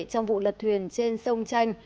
trong vụ lật thuyền trên sông chanh